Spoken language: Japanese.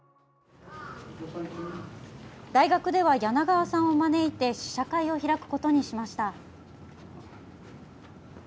大学では、柳川さんを招いて試写会を開くことにしました。